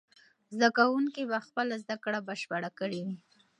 زده کوونکي به خپله زده کړه بشپړه کړې وي.